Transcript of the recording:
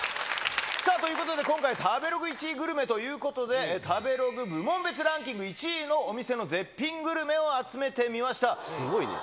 ということで今回、食べログ１位グルメということで、食べログ部門別ランキング１位のお店の絶品グルメを集めてみましすごいね。